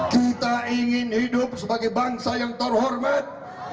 kita ingin hidup sebagai bangsa yang terhormat